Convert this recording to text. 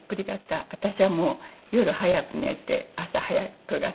私はもう夜早く寝て朝早く型。